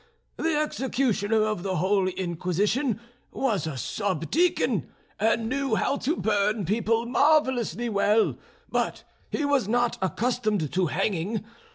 The executioner of the Holy Inquisition was a sub deacon, and knew how to burn people marvellously well, but he was not accustomed to hanging.